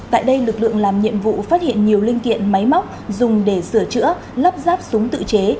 tại đây lực lượng làm nhiệm vụ phát hiện nhiều linh kiện máy móc dùng để sửa chữa lắp ráp súng tự chế